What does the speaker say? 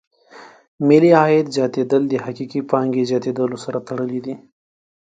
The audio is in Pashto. د ملي عاید زیاتېدل د حقیقي پانګې زیاتیدلو سره تړلې دي.